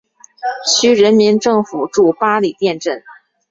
区人民政府驻八里店镇。